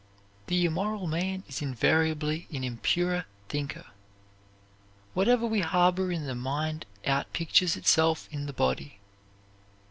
The immoral man is invariably an impure thinker whatever we harbor in the mind out pictures itself in the body.